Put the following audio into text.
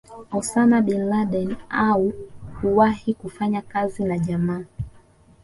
Osama Bin Laden au kuwahi kufanya kazi na jamaa